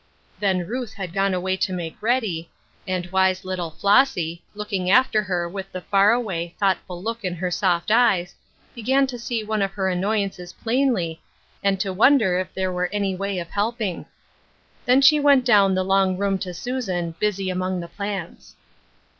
Then Ruth had gone away to make ready, and wise little Flossy, looking after her with the far away, thoughtful look in her soft eyes, began to see one of her anncyances plainly, and t^o wonder 112 Ruth Erskines Crosses. if there were any way of helping. Then she went down the long room to Susan, busy among the plants.